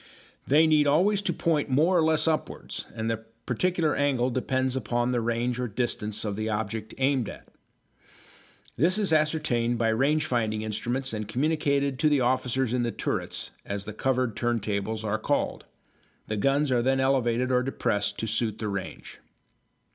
They need always to point more or less upwards, and the particular angle depends upon the range or distance of the object aimed at. This is ascertained by range finding instruments and communicated to the officers in the turrets, as the covered turntables are called. The guns are then elevated or depressed to suit the range.